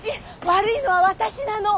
悪いのは私なの！